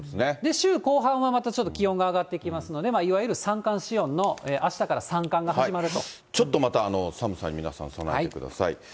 週後半はまたちょっと気温が上がってきますので、いわゆる三寒四温の、ちょっとまた、寒さに皆さん備えてください。